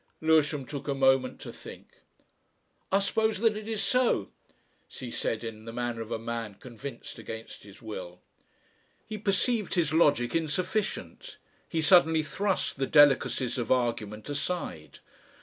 Lewisham took a moment to think. "I suppose that is so," he said, in the manner of a man convinced against his will. He perceived his logic insufficient. He suddenly thrust the delicacies of argument aside.